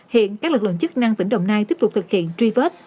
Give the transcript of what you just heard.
hiện các lực lượng chức năng tỉnh đồng nai tiếp tục thực hiện truy vết